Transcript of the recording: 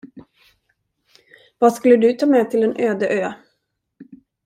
Vad skulle du ta med till en öde ö?